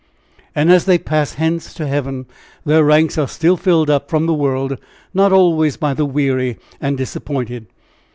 And as they pass hence to Heaven, their ranks are still filled up from the world not always by the weary and disappointed.